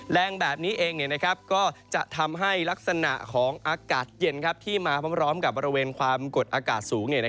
แรงแบบนี้เองก็จะทำให้ลักษณะของอากาศเย็นที่มาพร้อมกับบริเวณความกดอากาศสูง